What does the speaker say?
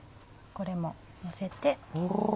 これものせて。